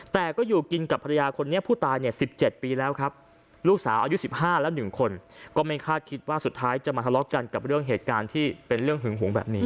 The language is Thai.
แต่ก็อยู่กินกับภรรยาคนนี้ผู้ตายเนี่ย๑๗ปีแล้วครับลูกสาวอายุ๑๕แล้ว๑คนก็ไม่คาดคิดว่าสุดท้ายจะมาทะเลาะกันกับเรื่องเหตุการณ์ที่เป็นเรื่องหึงหวงแบบนี้